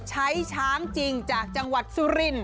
ช้างจริงจากจังหวัดสุรินท